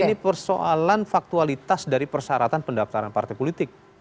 ini persoalan faktualitas dari persyaratan pendaftaran partai politik